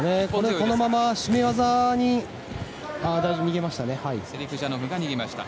このまま逃げ技に逃げましたね。